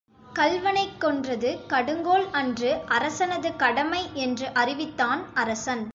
கள்வனைக் கொன்றது கடுங்கோல் அன்று அரசனது கடமை என்று அறிவித்தான் அரசன்.